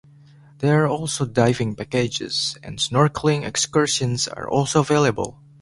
There are also diving packages, and snorkeling excursions are also available.